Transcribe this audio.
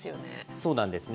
そうなんですね。